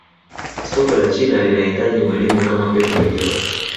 soka la china linahitaji mwalimu kama pep guardiola